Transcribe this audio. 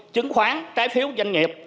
chứng khoán trái phiếu doanh nghiệp